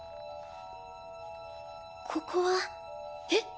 ここはえ？